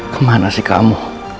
kemana sih kamu